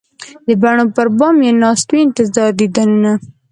د بڼو پر بام یې ناست وي انتظار د دیدنونه